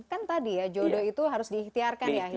kan tadi ya jodoh itu harus diikhtiarkan ya